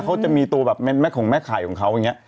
เขาจะมีตัวแบบแม่ของแม่ไข่ของเขาอย่างนี้